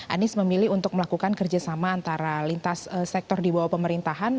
anies memilih untuk melakukan kerjasama antara lintas sektor di bawah pemerintahan